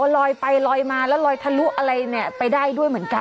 ลอยไปลอยมาแล้วลอยทะลุอะไรเนี่ยไปได้ด้วยเหมือนกัน